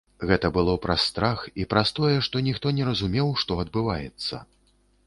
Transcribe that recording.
Гэта было праз страх і праз тое, што ніхто не разумеў, што адбываецца.